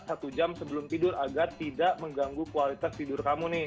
satu jam sebelum tidur agar tidak mengganggu kualitas tidur kamu nih